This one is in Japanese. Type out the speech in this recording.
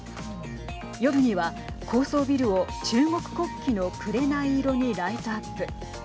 夜には、高層ビルを中国国旗の紅色にライトアップ。